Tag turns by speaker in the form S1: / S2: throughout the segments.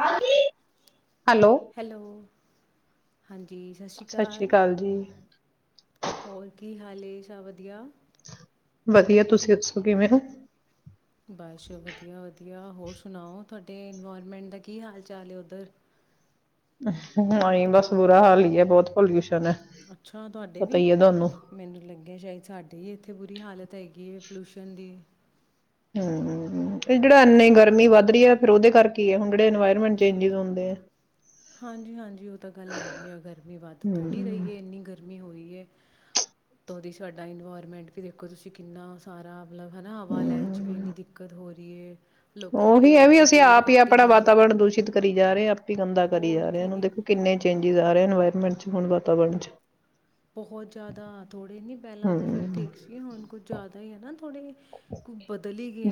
S1: ਹਜੀ
S2: hello ਹਾਂਜੀ ਸਤਿ ਸ਼੍ਰੀ ਅਕਾਲ ਹੋਰ ਕੀ [unintelligible]
S1: ਵਧੀਆ ਤੁਸੀਂ ਦੱਸੋ ਕਿਵੇਂ ਹੋ
S2: ਬਸ ਵਧੀਆ ਵਧੀਆ ਹੋਰ ਸੁਣਾਓ ਤੁਹਾਡੇ ਇਨਵਾਇਰਮੈਂਟ ਦਾ ਕੀ ਹਾਲ ਚਾਲ ਹੈ। ਉਧਰ
S1: ਹਾ ਬਸ ਬੁਰਾ ਹਾਲ ਹੀ ਹੈ। ਬਹੁਤ ਪੋਲਿਊਸ਼ਨ ਹੈ।
S2: ਅੱਛਾ ਤੁਹਾਡੇ
S1: ਪਤਾ
S2: ਵੀ
S1: ਹੀ ਹੈ ਤੁਹਾਨੂੰ
S2: ਮੈਨੂੰ ਲੱਗਿਆ ਸ਼ਾਇਦ ਸਾਡੀ ਹੀ ਇੱਥੇ ਬੁਰੀ ਹਾਲਤ ਹੈਗੀ ਹੈ। ਪੋਲਊਸ਼ਨ ਦੀ
S1: ਹਾ ਜਿਹੜਾ ਇੰਨੇ ਗਰਮੀ ਵੱਧ ਰਹੀ ਹੈ। ਫਿਰ ਉਹਦੇ ਕਰਕੇ ਹੈ। ਹੁਣ ਜਿੜੇ ਇਨਵਾਇਰਮੈਂਟ ਚੇਂਜ ਹੁੰਦੇ ਆ
S2: ਹਾਂਜੀ -ਹਾਂਜੀ ਉਹ ਤਾਂ ਗੱਲ ਹੈਗੀ ਆ ਗਰਮੀ ਵੱਧ ਥੋੜ੍ਹੀ
S1: ਹਮ
S2: ਰਹੀ ਹੈ। ਇੰਨੀ ਗਰਮੀ ਹੋ ਰਹੀ ਹੈ। ਉਹਜੀ ਸਾਡਾ ਇਨਵਾਇਰਮੈਂਟ ਵੀ ਦੇਖੋ ਤੁਸੀਂ ਕਿੰਨਾ ਸਾਰਾ ਮਤਲਬ ਹਨਾ ਹਵਾ
S1: ਹਮ
S2: ਲੈਣ ਚ ਵੀ ਇੰਨੀ ਦਿੱਕਤ ਹੋ ਦੀਏ
S1: ਉਹੀ ਹੈ। ਵੀ ਅਸੀਂ ਆਪ ਹੀ ਆਪਣਾ
S2: ਰਹੇ
S1: ਵਾਤਾਵਰਨ ਦੂਸ਼ਿਤ ਕਰੀ ਜਾ ਰਹੇ ਹਾਂ ਆਪ ਹੀ ਗੰਦਾ ਕਰੀ
S2: ਹੋਰ
S1: ਜਾ ਰਹੇ
S2: ਕੀ
S1: ਦੇਖੋ ਕਿੰਨੇ ਚੇਜਿਸ ਆ ਰਹੇ ਵਾਰਮੈਂਟ ਚ ਹੁਣ ਵਾਤਾਵਰਨ ਚ
S2: ਬਹੁਤ ਜ਼ਿਆਦਾ ਥੋੜੇ ਨੀ ਪਹਿਲਾਂ ਤਾਂ ਫਿਰ
S1: ਹਮ
S2: ਠੀਕ ਸੀ ਹੁਣ ਕੁੱਝ ਜ਼ਿਆਦਾ ਹੀ ਹਨਾ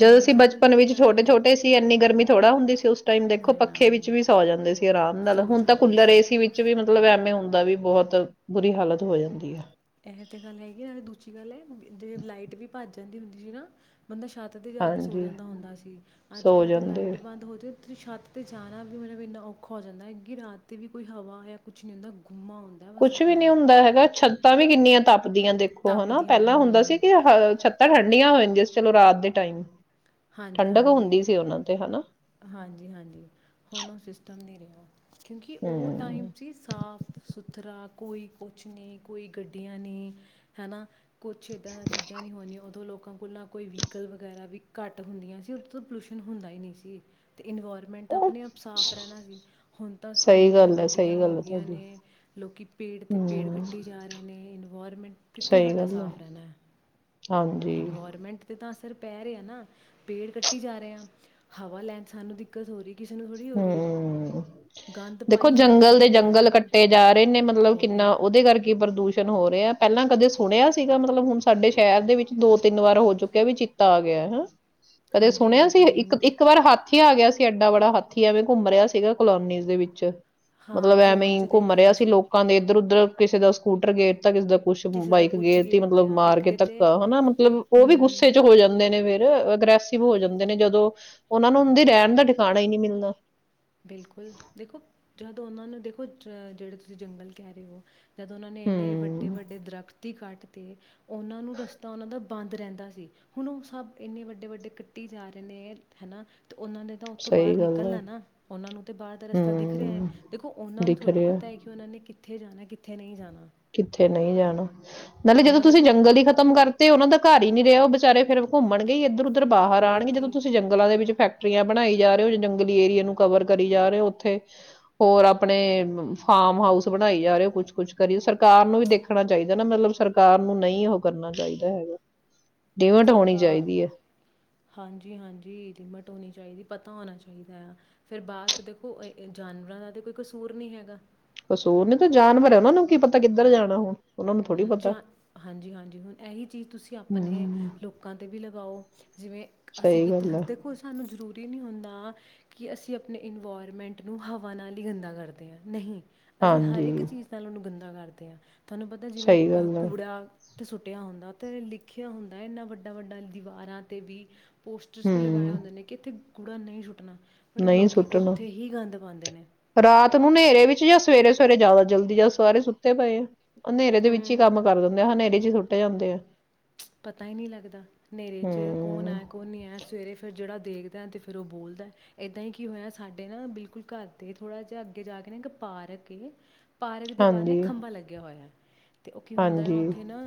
S1: ਜਦੋਂ ਅਸੀਂ
S2: ਸਮਝ ਹੀ
S1: ਬਚਪਨ
S2: ਨਹੀਂ
S1: ਵਿੱਚ
S2: ਆ ਰਿਹਾ
S1: ਛੋਟੇ-ਛੋਟੇ ਸੀ ਐੰਨੀ ਗਰਮੀ ਥੋੜਾ ਹੁੰਦੀ ਸੀ ਉਸ ਟਾਈਮ ਦੇਖੋ
S2: ਨਹੀਂ ਨਾ
S1: ਪੱਖੇ ਵਿੱਚ ਵੀ ਸੌ ਜਾਂਦੇ ਸੀ ਆਰਾਮ ਨਾਲ,
S2: ਸੋ
S1: ਹੁਣ ਤਾਂ
S2: ਜਾਂਦੇ
S1: ਕੂਲਰ ਏ ਸੀ ਵਿੱਚ ਵੀ ਮਤਲਬ ਐਵੇਂ ਹੁੰਨ ਦਾ ਵੀ ਬਹੁਤ ਬੁਰੀ ਹਾਲਤ ਹੋ ਜਾਂਦੀ ਹੈ।
S2: ਇਹ ਤਾਂ ਗੱਲ ਹੈਗੀ ਨਾਲੇ ਦੂਜੀ ਗੱਲ ਹੈ ਜੇ ਲਾਈਟ ਵੀ ਭੱਜ ਜਾਂਦੀ ਹੁੰਦੀ ਸੀ ਨਾ ਬੰਦਾ ਛੱਤ ਤੇ ਜਾ ਕੇ ਸੋ
S1: ਹਾਂਜੀ
S2: ਜਾਂਦਾ ਹੁੰਦਾ ਸੀ, ਅੱਜ
S1: ਸੋ
S2: ਕੱਲ ਤਾਂ
S1: ਜਾਂਦੇ
S2: ਲਾਈਟ ਬੰਦ ਹੋ ਜਾਵੇ ਤੇ ਛੱਤ ਤੇ ਜਾਣਾ ਵੀ ਮਤਲਬ ਇੰਨਾ ਔਖਾ ਹੋ ਜਾਂਦਾ ਹੈ। ਕਿ ਰਾਤ ਤੇ ਵੀ ਕੋਈ ਹਵਾ ਹੈ ਕੁਛ ਨਹੀਂ ਹੁੰਦਾ। ਗੁੰਮਾ ਹੁੰਦਾ ਵਾ
S1: ਕੁਛ
S2: ਸਾਰਾ
S1: ਵੀ ਨਹੀ
S2: ਦਿਨ
S1: ਹੁੰਦਾ ਹੈ ਗਾ ਛੱਤ ਤਾ ਵੀ ਕਿੰਨੀਆਂ ਤੱਪ ਦੀਆਂ ਦੇਖੋ ਹਨਾ,
S2: ਤਪਦੀਆਂ
S1: ਪਹਿਲਾਂ ਹੁੰਦਾ ਸੀ
S2: ਹੂੰ
S1: ਕਿ ਛੱਤਾਂ ਠੰਡੀਆਂ ਹੋ ਜੀਸ ਚਲੋ ਰਾਤ ਦੇ ਟਾਈਮ ਠੰਡਕ
S2: ਹਾਂਜੀ-ਹਾਂਜੀ,
S1: ਹੁੰਦੀ ਸੀ ਉਹਨਾਂ ਤੇ ਹਨਾ
S2: ਹਾਂਜੀ-ਹਾਂਜੀ, ਹੁਣ ਉਹ ਸਿਸਟਮ ਨੀ ਰਿਹਾ ਕਿਉਂਕਿ ਉਹ ਟਾਈਮ
S1: ਹੂੰ
S2: ਸੀ ਸਾਫ ਸੁਥਰਾ ਕੋਈ ਕੁਛ ਨਹੀ, ਕੋਈ ਗੱਡੀਆਂ ਨਹੀ ਹਨਾ ਕੁਛ ਇੱਦਾਂ ਚੀਜ਼ਾਂ ਨਹੀ ਹੋਣਆਂ ਉਦੋਂ ਲੋਕ ਲੋਕਾਂ ਕੋਲ ਨਾ ਕੋਈ ਵੀਕਲ ਵਗੈਰਾ ਵੀ ਘੱਟ ਹੁੰਦੀਆਂ ਸੀ ਉਦੋ ਪੋਲੂਸ਼ਨ ਹੁੰਦਾ ਹੀ ਨਹੀਂ ਸੀ ਤੇ ਇਨਵਾਇਰਮੈਂਟ ਆਪਣੇ ਆਪ ਸਾਫ਼ ਰਹਿਣਾ ਸੀ, ਹੁਣ ਤਾਂ
S1: ਸਹੀ
S2: ਇੰਨੀਆਂ
S1: ਗੱਲ ਹੈ
S2: ਗੱਡੀਆਂ
S1: ਸਹੀ
S2: ਹੋ
S1: ਗੱਲ ਹੈ
S2: ਗਈਆਂ
S1: ਤੁਹਾਡੀ
S2: ਨੇ ਲੋਕੀ ਪੇੜ ਤੇ ਪੇੜ
S1: ਹੂੰ
S2: ਕੱਟੀ ਜਾ ਰਹੇ ਨੇ, ਇਨਵਾਇਰਮੈਂਟ ਕਿੱਥੋਂ
S1: ਸਹੀ
S2: ਸਾਡਾ
S1: ਗੱਲ
S2: ਸਾਫ਼ ਰਹਿਣਾ ਹੈ।
S1: ਹਾਂਜੀ।
S2: ਇਨਵਾਇਰਮੈਂਟ 'ਤੇ ਤਾਂ ਪੈ ਰਿਹਾ ਨਾ, ਪੇੜ ਕੱਟੀ ਜਾ ਰਿਹੇ ਹ ਹਵਾ ਲੈਣ ਸਾਨੂੰ ਦਿੱਕਤ ਹੋ ਰਹੀ ਕਿਸੇ ਨੂੰ ਥੋੜ੍ਹੀ ਹੋ ਰਹੀ ਹੈ
S1: ਹੂ
S2: ਗੰਦ
S1: ਦੇਖੋ
S2: ਪਾਈ ਜਾਂਦੇ ਪਏ
S1: ਜੰਗਲ
S2: ਨੇ
S1: ਦੇ
S2: ਜਗ੍ਹਾ
S1: ਜੰਗਲ
S2: ਜਗ੍ਹਾ
S1: ਕੱਟੇ ਜਾ ਰਹੇ ਨੇ ਮਤਲਬ
S2: ਉਹੀ
S1: ਕਿੰਨਾ ਉਹਦੇ ਕਰਕੇ ਪ੍ਰਦੂਸ਼ਣ ਹੋ ਰਿਹਾ ਪਹਿਲਾਂ ਕਦੇ ਸੁਣਿਆ ਸੀਗਾ ਮਤਲਬ ਹੁਣ ਸਾਡੇ ਸ਼ਹਿਰ ਦੇ ਵਿੱਚ ਦੋ ਤਿੰਨ ਵਾਰ ਹੋ ਚੁੱਕਿਆ ਕੀ ਬਾਈ ਪਹਿਲਾਂ ਕਦੇ ਸੁਣਿਆ ਸੀਗਾ ਮਤਲਬ ਹੁਣ ਸਾਡੇ ਸ਼ਹਿਰ ਦੇ ਵਿੱਚ ਚਿੱਤਾ ਆ ਗਿਆ। ਕਦੇ
S2: ਹਾਂਜੀ
S1: ਸੁਣਿਆ ਸੀ
S2: ਹਾਂਜੀ
S1: ਇੱਕ-ਇੱਕ ਵਾਰ ਹਾਥੀ ਆ ਗਿਆ ਸੀ। ਤੇ ਏਡਾ ਬੜਾ ਹੱਥ ਕੇ ਐਵੇਂ ਘੁੰਮ ਰਿਹਾ ਸੀਗਾ, ਕਲੋਨੀਜ ਦੇ ਵਿੱਚ। ਮਤਲਬ,
S2: ਹਾਂ
S1: ਐਵੇਂ
S2: ਫੋਨ 'ਚ
S1: ਹੀ ਘੁੰਮ ਰਿਹਾ
S2: ਦੇਖਿਆ
S1: ਸੀ ਲੋਕਾਂ ਦੇ ਇੱਧਰ ਉੱਧਰ ਕਿਸੇ ਦਾ ਸਕੂਟਰ ਗੇਟ ਕਿਸ ਦਾ ਕੁਛ
S2: ਕਿਸੇ ਦਾ
S1: ਬਾਈਕ
S2: ਕੁਛ
S1: ਗੇਰ ਤੀ, ਮਤਲਬ
S2: ਗੇਰਦਿਆਂ
S1: ਮਾਰ
S2: ਇੱਕ
S1: ਕੇ
S2: ਦੇ 'ਤੇ
S1: ਧੱਕ ਹਨਾ, ਮਤਲਬ ਉਹ ਵੀ
S2: ਹੂੰ
S1: ਗੁੱਸੇ ਚ ਹੋ ਜਾਂਦੇ ਨੇ ਫੇਰ। [unintelligible] ਗ੍ਰੈਸਿਵ ਹੋ ਜਾਂਦੇ ਨੇ ਜਦੋਂ ਉਹਨਾਂ ਨੂੰ ਉਂਦੀ ਰਹਿਣ ਦਾ ਠਿਕਾਣਾ ਹੀ ਨਹੀਂ ਮਿਲਦ [unintelligible]
S2: ਬਿਲਕੁਲ ਦੇਖੋ, ਜਦੋਂ ਉਹਨਾਂ ਨੂੰ ਦੇਖੋ, ਅਹ ਜਿਹੜੇ ਤੁਸੀਂ ਜੰਗਲ ਕਹਿ ਰਹੇ ਹੋ ਜਦ ਉਹਨਾਂ ਨੇ ਇੰਨੇ ਵੱਡੇ
S1: ਹੂੰ,
S2: ਵੱਡੇ ਦਰੱਖਤ ਹੀ ਕੱਟ ਤੇ ਉਹਨਾਂ ਨੂੰ ਰਸਤਾ ਉਹਨਾਂ ਦਾ ਬੰਦ ਰਹਿੰਦਾ ਸੀ, ਹੁਣ ਉਹ ਸਭ ਇੰਨੇ ਵੱਡੇ ਵੱਡੇ ਕੱਟੀ ਜਾ ਰਹੇ ਨੇ ਹਨਾ। ਤੇ ਉਹਨਾਂ ਨੇ ਤਾਂ ਉੱਥੋਂ
S1: ਸਹੀ
S2: ਬਾਹਰ
S1: ਗੱਲ ਆ,
S2: ਨਿਕਲਣਾ ਨਾ। ਸਾਨੂ ਤੇ ਬਾਹਰ ਦਾ ਰਸਤਾ ਦਿਖ ਰਿਹਾ ਹੈ,
S1: ਹੂੰ।
S2: ਦੇਖੋ ਉਹਨਾਂ ਨੂੰ
S1: ਦਿਖ
S2: ਥੋੜ੍ਹੀ
S1: ਰਿਹਾ
S2: ਪਤਾ ਹੈ ਕਿ ਉਹਨਾਂ ਨੇ ਕਿੱਥੇ ਜਾਣਾ, ਕਿੱਥੇ ਨਹੀਂ ਜਾਣਾ।
S1: ਕਿੱਥੇ ਨਹੀਂ ਜਾਣਾ। ਨਾਲੇ ਜਦੋਂ
S2: ਉਹਨਾਂ
S1: ਤੁਸੀਂ
S2: ਨੂੰ
S1: ਜੰਗਲ ਹੀ ਖਤਮ ਕਰਤੇ ਉਹਨਾਂ ਤਾ ਘਰ ਹੀ ਨਹੀਂ ਰਿਹਾ, ਉਹ ਵਿਚਾਰੇ ਫੇਰ ਘੁੰਮਣ ਗੇ ਇੱਧਰ ਉੱਧ ਉਧਰ ਬਾਹਰ
S2: ਹੋਰ
S1: ਆਣਗੇ, ਜਦੋਂ
S2: ਕੀ
S1: ਤੁਸੀਂ ਜੰਗਲਾਂ ਦੇ ਵਿੱਚ ਫੈਕਟ ਫੈਕਟਰੀਆਂ ਬਣਾਈ ਜਾ ਰਹੇ ਹੋ, ਜੰਗਲੀ ਏਰੀਏ ਨੂੰ ਕਵਰ ਕਰੀ ਜਾ ਰਹੇ ਹੋ, ਉੱਥੇ ਹੋਰ ਆਪਣੇ ਫਾਰਮ ਹਾਊਸ ਬਣਾਈ ਜਾ ਰਹੇ ਹੋ, ਕੁਛ ਕੁਛ ਕਰੀ ਸਰ ਕਾਰ ਨੂੰ ਵੀ ਦੇਖਣਾ ਚਾਹੀਦਾ ਨਾ, ਮਤਲਬ ਸਰਕਾਰ ਨੂੰ ਨਹੀਂ ਉਹ ਕਰਨਾ ਚਾਹੀਦਾ ਹੈਗਾ। ਡਿਮਟ ਹੋਣੀ
S2: ਸਰਕਾਰ
S1: ਚਾਹੀਦੀ ਹੈ
S2: ਹਾਂਜੀ-ਹਾਂਜੀ ਲਿਮਟ ਹੋਣੀ ਚਾਹੀਦੀ ਪਤਾ ਹੋਣਾ ਚਾਹੀਦਾ ਆ, ਫੇਰ ਬਾਅਦ ਚ ਦੇਖੋ ਜਾਨਵਰਾਂ ਦਾ ਤੇ ਕੋਈ ਕਸੂਰ ਨਹੀਂ ਹੈਗਾ।
S1: ਕਸੂਰ ਨੀ ਤਾਂ ਜਾਨਵਰ ਹੈ, ਉਹਨਾਂ ਨੂੰ ਕੀ ਪਤਾ ਕਿੱਧਰ ਜਾਣਾ ਹੁਣ। ਉਹਨਾਂ ਨੂੰ ਥੋੜ੍ਹੀ
S2: ਹੂੰ
S1: ਪਤਾ
S2: ਜਾਂ ਹਾਂਜੀ ਹਾਂਜੀ, ਹੁਣ ਇਹੀ ਚੀਜ਼ ਤੁਸੀਂ ਆਪਣੇ
S1: ਹੂੰ
S2: ਲੋਕਾਂ ਤੇ ਵੀ ਲਗਾਉ, ਜਿਵੇਂ ਅਸੀਂ
S1: ਸਹੀ
S2: ਕਿਤੇ
S1: ਗੱਲ ਹੈ
S2: ਦੇਖੋ ਸਾਨੂੰ ਜ਼ਰੂਰ ਤ ਹੀ ਨਹੀਂ ਹੁੰਦਾ ਕਿ ਅਸੀਂ ਆਪਣੇ ਇਨਵਾਇਰਮੈਂਟ ਨੂੰ ਹਵਾ ਨਾਲ ਹੀ ਗੰਦਾ ਕਰਦੇ ਹਾਂ ਨਹੀਂ। ਅਸੀਂ ਹਰ ਇੱਕ
S1: ਹਾਂਜੀ,
S2: ਚੀਜ਼ ਨਾਲ ਉਹਨੂੰ ਗੰਦ ਕਰਦੇ ਹਾਂ ਤੁਹਾਨੂੰ ਜਿਵੇਂ
S1: ਸਹੀ
S2: ਅਹ
S1: ਗੱਲ ਹੈ,
S2: ਕੂੜਾ ਤੇ ਸੁੱਟਿਆ ਹੁੰਦਾ। ਤੇ ਲਿਖਿਆ ਹੁੰਦਾ, ਇਹਨਾਂ ਵੱਡਾ ਵੱਡਾ ਦੀਵਾਰਾਂ ਤੇ ਵੀ ਪੋਸਟਰਸ ਵੀ ਲਗਾਏ
S1: ਹੂੰ,
S2: ਹੁੰਦੇ ਨੇ ਕਿ ਇੱਥੇ ਕੂੜਾ ਨਹੀਂ ਸੁੱਟਣਾ। ਬਟ
S1: ਨਹੀਂ
S2: ਲੋਕੀ
S1: ਸੁੱਟਣਾ,
S2: ਉੱਥੇ ਹੀ ਗੰਦ ਪਾਉਂਦੇ ਨੇ
S1: ਰਾਤ ਨੂੰ ਨੇਰੇ ਵੀ ਚ ਸਵੇਰੇ ਸਵੇਰੇ ਜ਼ਿਆਦਾ ਜਲਦੀ ਜਾਂ ਸਾਰੇ ਸੁੱਤੇ ਪਏ ਆ। ਹਨੇਰੇ ਦੇ ਵਿੱਚ ਹੀ
S2: ਹੂੰ
S1: ਕੰਮ ਕਰ ਦਿੰਦੇ ਆ ਹਨੇਰੇ ਚ ਹੀ ਸੁੱਟ ਸੂਟ ਜਾਂਦੇ ਆ।
S2: ਪਤਾ ਹੀ ਨਹੀਂ ਲੱਗਦਾ, ਨੇਰੇ ਚ ਕੌਣ
S1: ਹੂੰ।
S2: ਆਇਆ ਕੌਣ ਨਹੀ ਆਇਆ ਸਵੇਰੇ ਫੇਰ ਜਿਹੜਾ ਦੇਖਦਾ ਤੇ ਫਿਰ ਉਹ ਬੋਲਦਾ ਏਦਾਂ ਹੀ ਕੀ ਹੋਇਆ ਸਾਡੇ ਨਾ ਬਿਲਕੁਲ ਘਰ ਤੇ ਥੋੜਾ ਜਿਹਾ ਅੱਗੇ ਜਾ ਕੇ ਨਾ ਇੱਕ ਪਾਰਕ ਏ ਪਾਰਕ ਦੇ ਬਾਹਰ ਨੇ
S1: ਹਾਂਜੀ,
S2: ਖੰਭਾ ਲੱਗਿਆ ਹੋਇਆ। ਤੇ ਉਹ ਕੀ ਹੁੰਦਾ ਆ
S1: ਹਾਂਜੀ,
S2: ਉੱਥੇ ਨਾ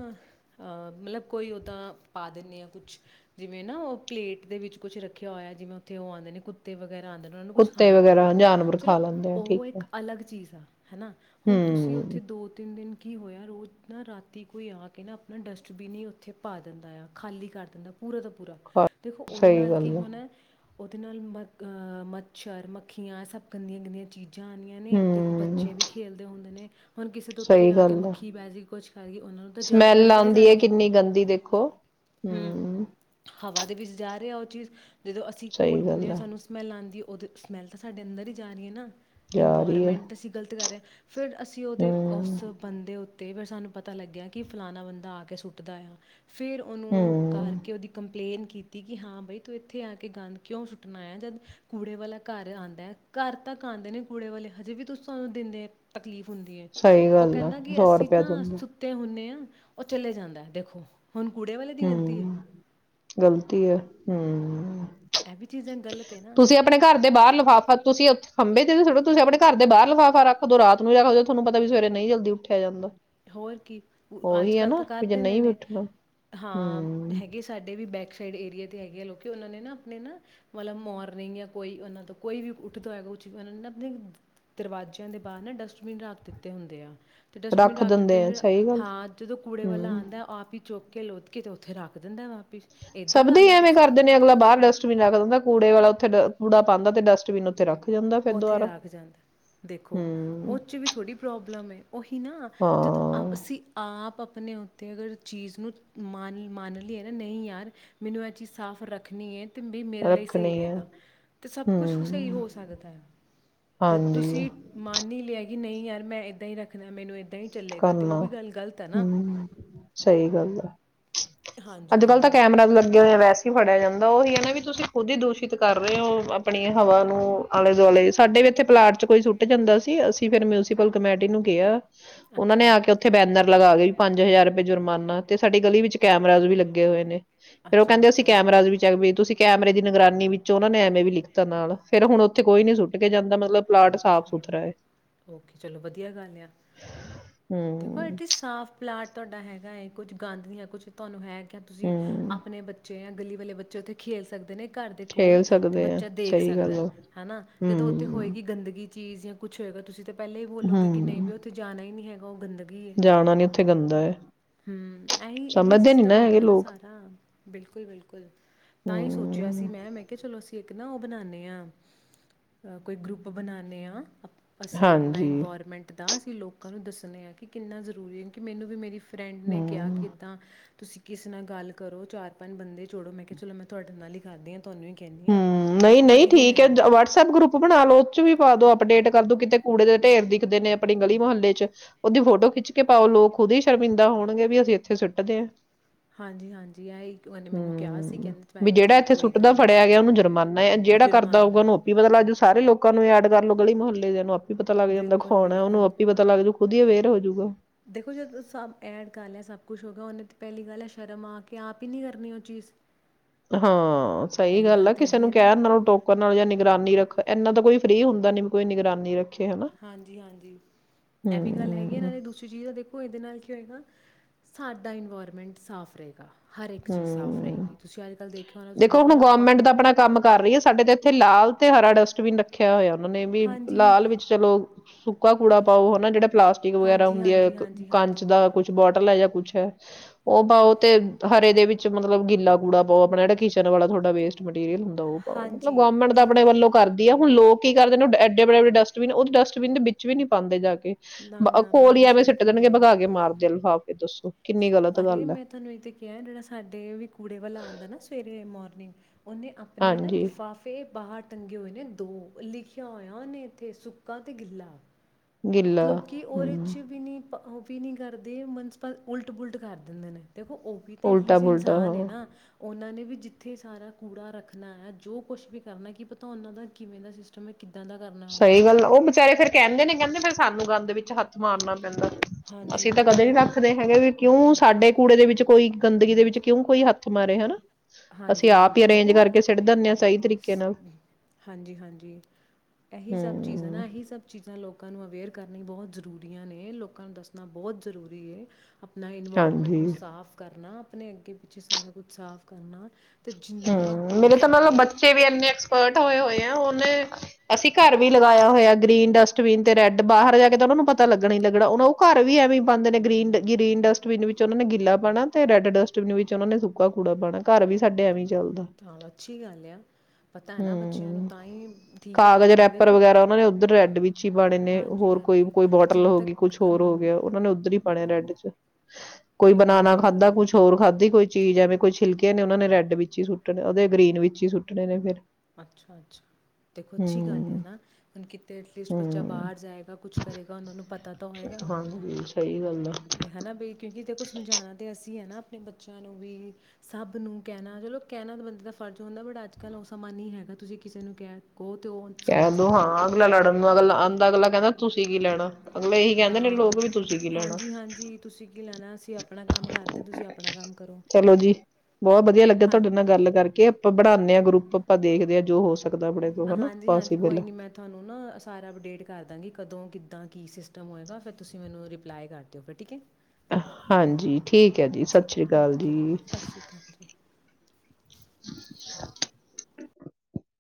S2: ਹਾ ਮਤਲਬ ਕੋਈ ਦਾਂ ਪਾ ਦਿੰਦੇ ਆਾਂ ਕੁਛ ਜਿਵੇਂ ਨਾ ਉਹ ਪਲੇਟ ਦੇ ਵਿੱਚ ਕੁਛ ਰੱਖਿਆ ਹੋਇਆ ਜਿਵੇਂ ਉੱਥੇ ਉਹ ਆਉਂਦੇ ਨੇ ਕੁੱਤੇ ਵ ਵਗੈਰਾ ਆਉਂਦੇ ਨੇ ਉਹਨਾਂ ਨੂੰ ਕੁਛ
S1: ਕੁੱਤੇ
S2: ਖਾਣਾ ਪਾਉਣ
S1: ਵਗੈਰਾ
S2: ਲਈਏ
S1: ਜਾਨਵਰ
S2: ਚਲੋ
S1: ਖਾ ਲੈਂਦੇ ਆ, ਠੀਕ
S2: ਉਹ
S1: ਹੈ,
S2: ਇੱਕ ਅਲੱਗ ਚੀਜ਼ ਆ ਹਨਾ ਹੁਣ ਤੁਸੀਂ ਉੱਥੇ
S1: ਹੂੰ।
S2: ਦੋ ਤਿੰਨ ਦਿਨ ਕੀ ਹੋਇਆ ਰੋਜ਼ ਨਾ ਰਾਤੀ ਕੋਈ ਆ ਕੇ ਨਾ ਆਪਣਾ ਡਸਟਬਿਨ ਹੀ ਉੱਥੇ ਪਾ ਦਿੰਦਾ ਆ ਖਾਲੀ ਕਰ ਦਿੰਦਾ ਪੂਰਾ ਤਾਂ ਪੂਰਾ
S1: ਖਾ
S2: ਦੇਖੋ ਉਹਦੇ
S1: ਸਹੀ
S2: ਨਾਲ ਕੀ
S1: ਗੱਲ ਹੈ,
S2: ਹੋਣਾ ਉਹਦੇ ਨਾਲ ਮ ਮੱਛਰ ਮੱਖੀਆਂ ਇਹ ਸਭ ਗੰਦੀਆਂ ਗੰਦੀਆਂ ਚੀਜ਼ਾਂ ਜ਼ਾਂਣੀਆਂ ਨੇ ਦੇਖੋ
S1: ਹੂੰ,
S2: ਬੱਚੇ ਵੀ ਖੇਲਦੇ ਹੁੰਦੇ ਨੇ ਹੁਣ ਕਿਸੇ ਦੇ ਉੱਤੇ
S1: ਸਹੀ
S2: ਆ ਕੇ
S1: ਗੱਲ ਹੈ।
S2: ਮੱਖੀ ਬਹਿ ਜਾਗੀ ਕੁਛ ਕਰ ਗਈ ਉਹਨਾਂ ਨੂੰ ਤਾਂ ਜਰਮਸ ਅੰਦਰ ਚਲੇ ਜਾਣਗੇ
S1: ਦੀ ਦੇਖੋ
S2: ਹੂੰ,
S1: ਹਮ
S2: ਹਵਾ ਦੇ ਵਿੱਚ ਜਾ ਰਿਹਾ ਉਹ ਚੀਜ਼ ਜਦੋਂ ਅਸੀਂ ਘਲ
S1: ਸਹੀ
S2: ਹੁੰਦੇ
S1: ਗੱਲ
S2: ਹਾਂ
S1: ਹੈ।
S2: ਸਾਨੂੰ ਸਮੈਲ ਆਉਂਦੀ ਉਹਦੇ ਸਮੈੱਲ ਤਾਂ ਸਾਡੇ ਅੰਦਰ ਹੀ ਜਾ ਰਹੀ ਹੈ ਨਾ
S1: ਜਾ ਰਹੀ ਹੈ,
S2: ਇਨਵਾਇਰਮੈਂਟ ਅਸੀਂ ਗ਼ਲਤ ਕਰ ਰਹੇ ਹਾਂ ਫਿਰ ਅਸੀਂ ਉਹਦੇ
S1: ਹੂੰ,
S2: ਉਸ ਬੰਦੇ ਉੱ ਅਤੇ ਫਿਰ ਸਾਨੂੰ ਪਤਾ ਲੱਗਿਆ ਕਿ ਫਲਾਣਾ ਬੰਦਾ ਆ ਕੇ ਸੁੱਟਦਾ ਆ ਫਿਰ ਉਹਨੂੰ
S1: ਹੂੰ।
S2: ਕਰਕੇ ਉਹਦੀ ਕੰਪਲੇਂਨ ਕੀਤੀ ਕਿ ਹਾਂ ਬਈ ਤੂੰ ਇੱਥੇ ਆ ਕੇ ਗੰਦ ਕਿਉਂ ਸੁੱਟਣਾ ਹੈ ਜਦ ਕੂੜੇ ਵਾਲਾ ਘਰ ਆਉਂਦਾ ਘਰ ਤੱਕ ਆਉਂਦੇ ਨੇ ਕੂੜੇ ਵਾਲੇ ਹਜੇ ਵੀ ਤੁਸੀਂ ਤੁਹਾਨੂੰ ਦਿੰਦੇ ਤ ਤਕਲੀਫ਼ ਹੁੰਦੀ ਹੈ
S1: ਸਹੀ
S2: ਉਹ
S1: ਗੱਲ ਆ
S2: ਕਹਿੰਦਾ ਕਿ
S1: ਸੌ
S2: ਅਸੀਂ
S1: ਰੁਪਇਆ
S2: ਨਾ
S1: ਦਿੰਦਾ
S2: ਸੁੱਤੇ ਹੁੰਦੇ ਹਾਂ ਉਹ ਚਲੇ ਜਾਂਦਾ ਦੇਖੋ ਹੁਣ ਕੂੜੇ ਵਾਲੇ ਦੀ ਗਲਤੀ ਹੈ
S1: ਹਮ ਗਲਤੀ ਹੈ ਹਮ
S2: ਇਹ ਵੀ ਚੀਜ਼ਾਂ ਗਲਤ ਹੈ ਨਾ
S1: ਤੁਸੀਂ ਆਪਣੇ ਘਰ ਦੇ ਬਾਹਰ ਲਿਫਾਫਾ ਤੁਸੀਂ ਖੰਬੇ ਤੇ ਛੋ ਤੁਸੀ ਆਪਣੇਰ ਦੇ ਬਾਹ ਲਿਫਾਫ਼ਾੱਖ ਦ ਰਾ ਨੂੰ ਰੱਖ ਦਿੋ ਤੁਹਾਨੂੰ ਪਤਾ ਵੀਵੇਰੇ ਨਹੀਂ ਜਲਦੀ ਉੱਠਿਆ ਜਾਂਦਾ
S2: ਹੋਰ ਕੀ ਅੱਜ
S1: ਉਹੀ ਹੈ
S2: ਕੱਲ
S1: ਨਾ
S2: ਤਾਂ
S1: ਵੀ
S2: ਕਰ
S1: ਜੇ
S2: ਦਿੰਦੇ
S1: ਨਹੀਂ ਵੀ
S2: ਨੇ
S1: ਉੱਠਣਾ
S2: ਹਾਂ
S1: ਹਮ
S2: ਹੈਗੇ ਸਾਡੇ ਵੀ ਬੈਕ ਸਡਏਰੀਆ ਤੇ ਹੈਗੇ ਆ ਲੋਕਓ ਨੇ ਨਾ ਆਪਣੇ ਨਾ ਮਤਲਬ ਮੋਰਨਿੰਗ ਕੋਈ ਉਹਨਾ ਤੋਂ ਕੋਈ ਵੀ ਉੱਠਦਾ ਹੈਗਾਨਾ ਨਾ ਆਪਣੇ ਦਰਵਾਜ ਦੇ ਬਾਹਰ ਨਾ ਡਸਟਬਿਨ ਰੱਖ ਦਿੱਤੇ ਹੁੰਦੇ ਆ ਮ ਰੱਖ ਦਿੰਦਾ
S1: ਦਿੰਦੇ ਆ
S2: ਜ
S1: ਸਹੀ ਗੱਲ
S2: ਹਾਂ ਜਦੋਂ ਕੂੜੇ ਵਾਲਾ
S1: ਹਮ
S2: ਆਉਂਦਾ ਆ ਆਪ ਹੀ ਚੁੱਕ ਲੋਧ ਕੇ ਤੇ ਉੱਥੇ ਰੱਖ ਦਿੰਦਾ ਵ
S1: ਸਭ ਦੇ ਐਵੇਂ ਕਰਦੇ ਨੇ ਅਗਲਾ ਬਾਹਰ ਡਸਟਬਿਨ ਆ ਕੇ ਦਦਾ ਕੂੜੇ ਵਾਲਾ ਉੱਥੇ ਕੂੜਾ ਪਾਉਦਾ ਤੇ ਡਸਟਬਿਨ ਉੱਥੇ ਰੱਖ ਜਾਂਦਾ ਫਿਰ
S2: ਉੱਥੇ
S1: ਦੁਬਾਰਾ
S2: ਰੱਖ ਜਾਂਦਾ ਦੇਖੋ
S1: ਹਮ
S2: ਉਹ ਚ ਵੀ ਥੋੜੀ ਪ੍ਰੋਬਲਮ ਹੈ ਉਹੀ ਨਾ ਜਦ
S1: ਹਾਂ
S2: ਅਸੀਂ ਆਪ ਆਪਣੇ ਉੱਤੇ ਅਗਰ ਚੀਜ਼ ਨੂੰ ਮਾਾਨ ਮਨ ਲਈਏ ਨਾ ਨਹੀਂ ਯਾਰ ਮੈਨੂੰ ਇਹ ਚੀਜ਼ ਸਾਫ਼ ਰੱਖਣੀ ਹੈ ਤੇ ਵੀ ਮੇਰੇ ਲਈ ਸਹੀ
S1: ਰੱਖਣੀ ਹੈ
S2: ਰਹੇਗਾ ਤੇ ਸਭ ਕੁਛ ਸਹੀ
S1: ਹਮ
S2: ਹੋ ਸਕਦਾ ਜਦ
S1: ਹਾਂਜੀ
S2: ਤੁਸੀਂ ਮਾਨੀ ਲਿਆ ਕਿ ਨਹੀਂ ਯਾਰ ਮੈਂ ਇਏਦਾਂ ਹੀ ਰੱਖਦਾ ਮੈਨੂੰ ਇਦਾਂ
S1: ਕਰਨਾ ਹਮ ਸਹੀ ਗੱਲ ਆ
S2: ਹਾਂਜੀ
S1: ਅੱਜ ਕੱਲ੍ਹ ਤਾਂ
S2: ਹਾਂਜੀ
S1: ਕੈਮਰਾ ਲੱਗੇ ਹੋਏ ਆ ਵੈਸੇ ਫੜਿਆ ਜਾਂਦਾ ਉਹੀ ਹਨਾ ਵੀ ਤੁਸੀਂ ਖੁਦ ਹੀ ਦੂਸ਼ਿਤ ਕਰ ਰਹੇ ਹੋ ਆਪਣੀ ਹਵਾ ਨੂੰ ਆਲੇ ਦੁਆਲੇ ਸਾਡੇ ਵੀ ਇੱਥੇ ਪਲਾਟ ਚ ਕੋਈ ਸੁੱਟ ਜਾਂਦਾ ਸੀ ਅਸੀਂ ਫਿਰ ਮਿਸੀਪਲ ਕਮੇਟੀ ਨੂੰ ਕਿਹਾ ਉਹਨਾਂ ਨੇ
S2: ਅੱਛਾ
S1: ਆ ਕੇ ਉੱਥੇ ਬੈਨਰ ਲਗਾ ਗ ਵੀ ਪੰਜ ਹਜ਼ਾਰ ਰੁਪਏ ਜੁਰਮਾਨਾ ਤੇ ਸਾਡੀ ਗਲੀ ਵਿੱਚ ਕੈਮਰਾ ਵੀ ਲੱਗੇ ਹੋਏ ਨੇ ਫੇਰ ਉਹ
S2: ਅੱਛਾ
S1: ਕਹਿੰਦੇ ਅਸੀਂ
S2: ਅੱਛਾ
S1: ਕੈਮਰਾ ਵੀ ਚਗਈ ਤੁਸੀਂ ਕੈਮਰੇ ਦੀ ਿਗਰੀ ਵਿੱਚੋਂ ਉਹਨਾਂ ਨੇ ਐਵੇਂ ਵੀ ਲਿਖ ਨਾਲ਼ਿਰ ਹੁਣ ਉੱਥੇ ਕੋਈ ਨੀ ਸੁੱਟ ਕੇ ਜਾਂਦਾ ਮਤਲਬ ਪਲਾਟ ਸਾਫ਼
S2: ਅੱਛਾ
S1: ਸੁਥਰਾ ਹੈ
S2: ਓਕੇ ਚਲੋ ਵਧੀਆ ਗੱਲ ਆ ਦੇਖੋ
S1: ਹਮ
S2: ਇਹਟੀ ਸਾਫ਼ ਪਲਾਟ ਤੁਹਾਡਾ ਹੈਗਾ ਏ ਕੁੱਝ ਗੰਦ ਦੀ ਹੈ ਕੁੱਛ ਤੁਹਾਨੂੰ ਹੈਗਾ ਤੁਸੀਂ
S1: ਹਮ
S2: ਆਪਣੇ ਬੱਚੇ ਜਾਂ ਗਲੀ ਵੇਲੇ ਬੱਚੇ ਉੱਥੇ ਖੇਲ ਸਕਦੇ ਨੇ ਘਰ ਦੇ ਕੋਲ
S1: ਖੇਲ
S2: ਤੇ
S1: ਸਕਦੇ ਆ
S2: ਬੱਚਾ ਦੇਖ
S1: ਸਹੀ
S2: ਸਕਦਾ
S1: ਗੱਲ ਆ
S2: ਹਨਾ ਜਦੋਂ
S1: ਹਮ
S2: ਉੱਥੇ ਗੰਦਗੀ ਚੀਜ਼ ਜਾਂ ਕੁਛ ਹੋਏਗਾ ਤੁਸੀਂ ਤਾਂ ਪਹਿਲੇਾਂ ਹੀ ਬੋਲੋਗੇ ਕਿ ਨਹੀਂ ਵੀ
S1: ਹੂੰ,
S2: ਉੱਥੇ ਜਾਣਾ ਹੀ ਨਹੀਂ ਹੈ ਉਹ
S1: ਜਾਣਾ ਨੀ ਉੱਥੇ ਗੰਦਾ
S2: ਹਮ ਇਹੀ ਇਹੀ
S1: ਸਮਝਦੇ ਨੀ
S2: ਸਿਸਟਮ
S1: ਹੈਗੇ
S2: ਆਉਦਾ ਨਾ
S1: ਲੋਕ।
S2: ਸਾਰਾ ਬਿਲਕੁਲ ਬਿਲਕੁਲ ਤਾਂ ਹੀ ਸੋਚਿਆ ਸੀ
S1: ਹੂੰ,
S2: ਮੈਂ ਮੈਂ ਕਿਹਾ ਚਲੋ ਅਸੀਂ ਇੱਕ ਨਾ ਉਹ ਬਣਾਦੇ ਹਾਂ ਕੋਈ ਗਰੁੱਪ ਬਣਾਦੇ ਹਾਂ ਅਸੀਂ ਆਪਣਾ
S1: ਹਾਂਜੀ,
S2: ਇਨਵਾਇਰਮੈਂਟ ਦਾ ਕਿ ਲੋਕਾਂ ਨੂੰ ਦੱਸਣੇ ਆ ਕਿ ਕਿੰਨਾ ਜ਼ਰੂਰੀ ਹੈਉਕ ਮੈਨੂੰ ਵੀ ਮੇਰੀ ਫਰੈਂਡ ਨੇ ਕਿਹਾ ਕਿ
S1: ਹੂੰ।
S2: ਇੱਦਾਂ ਤੁਸੀਂ ਕਿਸ ਨਾਲ ਗੱਲ ਕਰੋ ਚਾਰ ਪੰਜ ਬੰਦੇ ਜੋੜੋ ਮੈਂ ਕਿਹਾ ਚਲੋ ਮੈਂ ਤੁਹਾਡੇ ਨਾਲ ਹੀ ਕਰਦੀ ਹਾਂ
S1: ਹਮ ਨਹੀਂ ਨਹੀਂ ਠੀਕ ਹੈ ਵਟਸਐਪ ਗਰੁੱਪ ਬਣਾ ਲੋ ਉਹ ਚ ਵੀ ਪਾ ਦੋ
S2: ਹਾਂ
S1: ਅਪਡੇਟ ਕਰਦੋ ਕਿਤੇ ਕੂੜੇ ਦੇ ਢੇਰ ਦਿਖਦੇ ਨੇ ਆਪਣੀ ਗਲੀ ਮੁਹੱਲੇ ਚ ਉਹਦੀ ਫੋਟੋ ਖਿੱਚ ਕੇ ਪਾਓ ਲੋਕ ਖੁਦ ਹੀ ਸ਼ਰਮਿੰਦਾ ਹੋਣਗੇ ਵੀ ਅਸੀਂ ਇੱਥੇ ਸੁੱਟਦੇ ਹਾਂ
S2: ਹਾਂਜੀ ਹਾਂਜੀ ਇਹ ਉਹਨੇ ਮੈਨੂੰ ਕਿਹਾ ਸੀ
S1: ਹੂੰ।
S2: ਕਹਿੰਦੇ ਮੈਂ
S1: ਵੀ ਜਿਹੜਾ
S2: ਕਿਹਾ
S1: ਇੱਥੇ
S2: ਕੋਈ ਗੱਲ
S1: ਸੁੱਟਦਾ
S2: ਨਹੀਂ
S1: ਫੜਿਆ ਗਿਆ ਉਹਨੂੰ ਜੁਰਮਾਨਾ ਜਹੜ ਕਰਦਾਊਗਾ
S2: ਜੁਰਮਾਨਾ
S1: ਉਹਨੂੰ ਆਪ ਪਤਾਲੱ ਸਾਰੇ ਲੋਕਾਂ ਨੂੰ ਐਡ ਕਰ ਲੋ ਗਲੀ ਮੁਹੱਲੇ ਦੇ ਨੂੰ ਆਪ ਪਤਾ ਲੱਗ ਜਾਂਦਾ ਖਾਣਾ ਉਹਨੂੰ
S2: ਬਿਲਕੁਲ-ਬਿਲਕੁਲ।
S1: ਆਪ ਹੀ ਪਤਾ ਲੱਗ ਜਾ ਖੁਦ ਹੀ ਅਵੇਅਰ ਹੋਜੂਗਾ
S2: ਦੇਖੋ ਜਦ ਸਭ ਐਡ ਕਰ ਲਿਆ ਸਭ ਕੁਛ ਹੋ ਗਿਆ ਉਹਨੇ ਤੇ ਪਹਿਲੀ ਗੱਲ ਹੈ ਸ਼ਰਮ ਆ ਕੇ ਆਪ ਹੀ ਨੀ ਕਰਨੀ ਉਹ ਚੀਜ਼
S1: ਹਾਂ ਸਹੀ
S2: ਪਹਿਲੀ
S1: ਗੱਲ ਆ
S2: ਤਾਂ
S1: ਕਿਸੇ
S2: ਇਹੀ
S1: ਨੂੰ
S2: ਹੈ ਨਾ
S1: ਕਹਿਣ ਨਾਲੋਂ ਟੋਕਰ ਨਾਲ ਜਾਂ ਨਿਗਰਾਨੀ ਰੱਖ ਇੰਨਾ ਤਾਂ ਕੋਈ ਫਰੀ ਹੁੰਦਾ ਨੀ ਕੋਈ ਨਿਗਰਾਨੀ ਰੱਖ
S2: ਹਾਂਜੀ ਹਾਂਜੀ ਇਹ ਵੀ ਗੱਲ ਹੈਗੀ ਇਹ ਨਾਲ
S1: ਹੂੰ,
S2: ਦੀ ਦੂਸਰੀ ਚੀਜ਼ ਦਾ ਦੇਖੋ ਇਹਦੇ ਨਾਲ ਕੀ ਹੋਏਗਾ ਸਾਡਾ ਇਨਵਾਇਰਮੈਂਟ ਸਾਫ਼ ਰਹੇਗਾ ਹਰ ਇੱਕ ਚੀਜ਼ ਸਾਫ਼
S1: ਹਮ
S2: ਰਹੇਗੀ ਤੁਸੀਂ ਅੱਜ ਕੱਲ੍ਹ ਦੇਖਿਆ ਹੋਣਾ ਤੁਸੀਂ
S1: ਦੇਖੋ
S2: ਦੇਖਿਆ
S1: ਹੁਣ
S2: ਹੋਣਾ ਪਾ
S1: ਗੌਰਮੈਂਟ ਦਾ ਆਪਣਾ ਕੰਮ ਕਰ ਰਹੀ ਹੈ ਸਾਡੇ ਤੇ ਇੱਥੇ ਲਾਲ ਤੇ ਹਰਾ ਡਸਟਬਿਨ ਰੱਖਿਆ ਹੋਇਆ ਉਹ ਨੇ ਵੀ
S2: ਹਾਂਜੀ
S1: ਲਾਲ ਵਿੱਚ ਚਲੋ ਸੁੱਕਾ ਕੂੜਾ ਪਾਓ ਹਨਾ ਜਿਹੜਾ ਪਲਾਸਟਿਕ ਵਗੈਰਾ
S2: ਹਾਂਜੀ
S1: ਹੁੰਦੀ ਹੈ
S2: ਹਾਂਜੀ ਹਾਂਜੀ
S1: ਕੰਚ
S2: ਹਾਂਜੀ
S1: ਦਾ ਕੁਛ ਬੋਟਲ ਹੈ ਜਾਂ ਕੁੱਛ ਹੈ ਉਹ ਬਾ ਉਹ ਤੇ ਹਰੇ ਦੇ ਵਿੱਚ ਮਤਲਬ ਗਿੱਲਾ ਗੂੜਾ ਪਾਓ ਆਪਣਾ ਜਿਹੜਾ ਕਿਚਨ ਵਾਲਾ ਤੁਹਾਡਾ ਵੇਸਟ ਮਟੀਰੀਅਲ ਹੁੰਦਾ ਦਊ ਪਾਓ ਮਤਲਬ
S2: ਹਾਂਜੀ
S1: ਗੌਰਮੈਂਟ ਦਾ
S2: ਇਵ
S1: ਆਪਣੇ ਵੱਲੋਂ ਕਰ ਆ ਹੁਣ ਲੋਕ ਕੀ ਕਰਦੇ ਨੇ ਐਡੇ ਬੱਡੇ ਵੱੇਸਟਬਿਨ ਉਹਦੇ ਡਸਟਬਿਨ ਦੇ ਵਿੱਚ ਵੀ ਨੀ ਪਾਉਂਦੇ ਜਾਏ
S2: ਨਾ ਨਾ ਬਾਹਰ
S1: ਕੋਲੀ
S2: ਹੀ
S1: ਐਵੇਂ
S2: ਸੁੱਟ
S1: ਸਿੱਟ
S2: ਦਿੰਦੇ
S1: ਦੇਣਗੇ
S2: ਨੇ
S1: ਭਗਾ ਕੇ ਮਾਰਦੇ ਲਫਾ ਇਹ ਦੱਸੋ ਕਿੰਨੀ ਗ਼ਲਤ
S2: ਅਰੇ
S1: ਗੱਲ ਹੈ
S2: ਮੈਂ ਤੁਹਾਨੂੰ ਇਹ ਤਾਂ ਕਿਹਾ ਜਿਹੜਾ ਸਾਡੇ ਵੀ ਕੂੜੇ ਵਾਲਾ ਆਉਂਦਾ ਨਾ ਸਵੇਰੇ ਮੋਰਨਿੰਗ ਉਹਨੇ ਆਪਣੇ ਨਾ
S1: ਹਾਂਜੀ
S2: ਲਿਫਾਫੇ ਬਾਹਰ ਤੰਗੇ ਹੋਏ ਨੇ ਦੋ ਲਿਖਿਆ ਹੋਇਆ ਉਹਨੇ ਇੱਥੇ ਸੁੱਕਾ ਤੇ ਗਿੱਲਾ
S1: ਗਿੱਲਾ
S2: ਲੋਕੀ ਉਹਦੇ
S1: ਹਮ
S2: ਚ ਵੀ ਨੀ ਹੀ ਨਹੀਂ ਕਰਦੇ ਮਨਸਪਾ ਉਲਟ ਬੁਲਟ ਕਰ ਦਿੰਦੇ ਨੇ ਦੇਖੋ ਉਹ ਵੀ ਤਾਂ
S1: ਉਲਟਾ
S2: ਐਟਲੀਸਟ
S1: ਪੁਲਟਾ
S2: ਇਨਸਾਨ ਹੈ
S1: ਹਾਂ
S2: ਨਾ ਉਹਨਾਂ ਨੇ ਵੀ ਜਿੱਥੇ ਸਾਰਾ ਕੂੜਾ ਰੱਖਣਾ ਹੈ ਜੋ ਕੁਛ ਵੀ ਕਰਨਾ ਕੀ ਪਤਾ ਉਹਨਾਂ ਦਾ ਕਿਵੇਂ ਦਾ ਸਿਸਟਮ ਹੈ ਕਿੱਦਾਂ ਦਾ ਕਰਨਾ ਉਹਨਾਂ
S1: ਸਹੀ
S2: ਨੇ
S1: ਗੱਲ ਉਹ ਵਿਚੇਾਰੇ ਫੇਰ ਕਹਿੰਦੇ ਨੇ ਕਹਿੰਦੇ ਫ ਸਾਨੂੰ ਗੰਦ ਵਿੱਚ ਹੱਥ ਮਾਰਨਾ ਅਸੀਂ
S2: ਹਾਂਜੀ
S1: ਤਾਂ ਕਦੇ ਵੀ
S2: ਦੇਖੋ
S1: ਰੱਖਦੇ ਹੈਗੇ ਵੀ ਕਿਉਂ ਸਾਡੇ ਕੂੜੇ ਦੇ ਵਿੱਚ ਕੋਈ ਗੰਦਗੀ ਦੇ ਵਿੱਚ ਕਿਉਂ ਕੋਈ ਹੱਥ ਮਾਰੇ ਹਨਾ ਅਸੀਂ
S2: ਹਾਂਜੀ
S1: ਆਪ ਹੀ
S2: ਹਾਂਜੀ
S1: ਅਰੇਂਜ
S2: ਦੇਖੋ
S1: ਕਰਕੇ ਸਿੱਟ ਦਿੰਦੇ ਹਾਂ ਸਹੀ ਤਰੀਕੇ ਨਾਲ
S2: ਹਾਂਜੀ ਹਾਂਜੀ ਇਹੀ ਸਭ ਚੀਜ਼ਾਂ
S1: ਹਮ
S2: ਨਾ ਇਹੀ ਸਭ ਚੀਜ਼ਾਂ ਲੋਕ ਲੋਕਾਂ ਨੂੰ ਅਵੇਅਰ ਕਰਨੀ ਬਹੁਤ ਜ਼ਰੂਰੀਆਂ ਨੇ ਲੋਕਾਂ ਨੂੰ ਦੱਸਣਾ ਬਹੁਤ ਜ਼ਰੂਰੀ ਹੈ ਆਪਣਾ ਇਨਵਾਇਰਮੈਂਟ
S1: ਹਾਂਜੀ
S2: ਨੂੰ ਸਾਫ ਕਰਨਾ ਆਪਣੇ ਅੱਗੇ ਪਿੱਛੇ ਸਾਰਾ ਕੁਛ ਸਾਫ ਕਰਨਾ ਅਤੇ ਜਿੰਨਾ
S1: ਹਮ
S2: ਹੋ
S1: ਮੇਰੇ ਤਾਂ
S2: ਸਕੇ
S1: ਮਤਲਬ ਬੱਚੇ ਵੀ ਇੰਨੇ ਐਕਸਪਰਟ ਹੋਏ ਹੋਏ ਆ ਉਹਨੇ ਅਸੀਂ ਘਰ ਵੀ ਲਗਾਇਆ ਹੋਇਆ ਗ੍ਰੀਨ ਡਸਟਬਿਨ ਤੇ ਰੈੱਡ ਬਾਹਰ ਜਾ ਕੇ ਤਾਂ ਉਹਨਾ ਨੂੰ ਪਤਾ ਲੱਗਣਾ ਹੀ ਲੱਗਣਾ ਉਹ ਉਹ ਘਰ ਵੀ ਐਵੇਂ ਪਾਉਂਦੇ ਨੇ ਗ੍ਰੀਨ ਗ੍ਰੀਨ ਡਸਟਬਿਨ ਵਿੱਚ ਉਹਨਾਂ ਨੇ ਗਿੱਲਾ ਪਾਉਣਾ ਤੇ ਰੈਡ ਡਸਟਬਿਨ ਵਿੱਚ ਉਹਨਾਂ ਨੇ ਸੁੱਕਾ ਕੂੜਾ ਪਾਉਣਾ ਘਰ ਵੀ ਸਾਡੇ ਐਵੇਂ ਚਦਾ
S2: ਤਾਂ ਅੱਛੀ ਗੱਲ ਆ ਪਤਾ ਹੈ ਨਾ ਬੱਚਿਆਂ ਨੂੰ
S1: ਹਮ
S2: ਤਾਂ ਹੀ ਠੀਕ
S1: ਕਾਗਜ਼
S2: ਰਹਿਣਗੇ
S1: ਰੈਪਰ
S2: ਦੇਖੋ
S1: ਵਗੈਰਾ ਉਹਨਾ ਨੇ ਉੱਧਰ ਰੈਡ ਵਿੱਚ ਹੀ ਪਾਣੇ ਨੇ
S2: ਹਾਂਜੀ
S1: ਹੋਰ ਕੋਈ
S2: ਹਾਂਜੀ
S1: ਕੋਈ ਬੋਟਲ
S2: ਜਿਵੇਂ
S1: ਹੋ
S2: ਤੱਕ
S1: ਗਈ ਕੁਛ ਹੋਰ ਹੋ
S2: ਅਮ,
S1: ਗਿਆ ਉਹਨਾ ਨੇ ਉੱਧਰ ਹੀ ਪਾਣੇ ਰੈਡ ਚ ਕੋਈ
S2: ਬਿਲਕੁਲ
S1: ਬਨਾਨਾ
S2: ਸਹੀ
S1: ਖਾਧਾ
S2: ਗੱਲ ਹੈ
S1: ਕੁਛ ਹੋਰ ਖਾਧੀ ਕੋਈ ਚੀਜ਼ ਆਵੇਂ ਕੋਝ ਛਿਲਕਿਆ ਨੇ ਉਹਨਾਂ ਨੇ ਰੈੱਡ ਵਿੱਚ ਵਿੱਚ ਸੁੱਟਣੇ ਉਹਦੇ ਗ੍ਰਰੀਨ ਵਿੱਚ ਹੀ ਸੁੱਟਣੇ ਨੇ ਫੇਿਰ
S2: ਅੱਛਾ ਅੱਛਾ ਦੇਖੋ ਅੱਛੀ ਗੱਲ ਹੈ
S1: ਹੂੰ
S2: ਨਾ ਹੁਣ ਕਿਤੇ ਅਟਲੀਸਟ ਬੱਚਾ
S1: ਹੂੰ
S2: ਬਾਹਰ ਜਾਏਗਾ ਕੁਛ ਕਰੇਗਾ ਉਹਨਾਂ ਨੂੰ ਪਤਾ ਤਾਂ ਹੋਏਗਾ
S1: ਹਾਂਜੀ ਸਹੀ ਗੱਲ ਆ
S2: ਹਨਾ ਬ ਕਿਉਂਕਿ ਦੇਖੋ ਸਮਝਾਣਾ ਤੇ ਅਸੀਂ ਹੈ ਨਾ ਆਪਣੇ ਬੱਚਿਆਂ ਨੂੰ ਵੀ ਸਭ ਨੂੰ ਕਹਿਣਾ ਚਲੋ ਕਹਿਣਾ ਦਾ ਬੰਦੇ ਦਾ ਫਰਜ਼ ਹੁੰਦਾ ਬਟ ਅੱਜ ਕੱਲ ਉਸ ਸਮਾਂ ਨ ਹੈਗਾ ਤੁਸੀਂ ਕਿਸੇ ਨੂੰ ਕਿਹਾ
S1: ਕਹ ਦ ਹਾਂ ਅਗਲਾ ਲੜਨ ਨੂੰ ਅਗਲਾ ਦਾ ਅਗਲਾ ਕਹਿੰਦਾ ਤੁਸੀਂ ਕੀ ਲੈਣਾ ਅਗਲੇ ਇਹੀ ਕਹਿੰਦੇ ਨੇ
S2: ਹਾਂ
S1: ਲੋਕ ਵੀ ਤੁਸੀਂ ਕੀ ਲੈਣਾ
S2: ਹਾਂਜੀ ਹਾਂਜੀ ਤੁਸੀਂ ਕੀ ਲੈਣਾ ਅਸੀਂ ਆਪਣਾ ਕੰਮ ਕਰਦੇ ਤੁਸੀਂ ਆਪਣਾ ਕੰਮ ਕਰੋ
S1: ਚਲੋ ਜੀ ਬਹੁਤ ਵਧੀਆ ਲੱਗਿਆ
S2: ਹਾਂ
S1: ਤੁਹਾਡੇ ਨਾਲ ਗੱਲ ਕਰਕੇ ਆਪਾਂ ਬਣਾਾਉਂਦੇਾਂ ਗਰੁਪ ਆਪਾਂ ਦੇਖ ਹਾਂ ਜੋ ਹੋ ਸਕ
S2: ਹਾਂਜੀ ਹਾਂਜੀ ਕੋਈ ਨੀ ਮੈਂ ਤੁਹਾਨੂੰ ਨਾ ਸਾਰਾ ਅਪਡੇਟ ਕਰ ਦਾਂਗੀ ਕਦੋਂ ਕਿ ਤਾਂ ਕੀ ਸਿਸਟਮ ਹੋਏਗਾ ਫਿਰ ਤੁਸੀਂ ਮੈਨੂੰ ਰਿਪਲਾਈ ਕਰ ਦਿਓ ਫਿਰ ਠੀਕ ਹੈ
S1: ਹਾਂਜੀ ਠੀਕ ਹੈ ਜੀ ਸਤਿ ਸ੍ਰੀ
S2: ਠੀਕ
S1: ਅਕਾਲ
S2: ਓਕੇ
S1: ਜੀ
S2: ਸਤਿ ਸ਼੍ਰੀ ਅਕਾਲ ਜੀ
S1: [unintelligible]